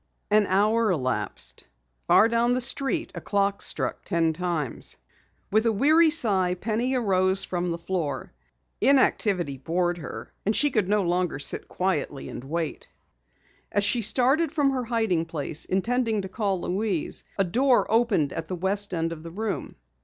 An hour elapsed. Far down the street a clock struck ten times. With a weary sigh Penny arose from the floor. Inactivity bored her, and she no longer could sit quietly and wait. As she started from her hiding place, intending to call Louise, a door opened at the west end of the room.